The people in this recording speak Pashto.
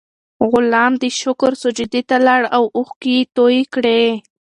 غلام د شکر سجدې ته لاړ او اوښکې یې تویې کړې.